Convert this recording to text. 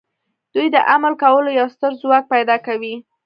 دوی د عمل کولو یو ستر ځواک پیدا کوي